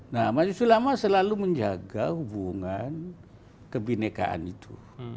nah maju sulamah selalu menjaga hubungan kebinekaan itu